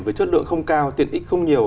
với chất lượng không cao tiền ít không nhiều